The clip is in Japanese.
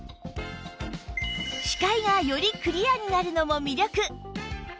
視界がよりクリアになるのも魅力